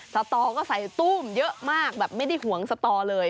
สตอก็ใส่ตู้มเยอะมากแบบไม่ได้ห่วงสตอเลย